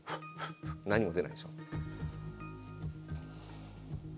何も出ないでしょ？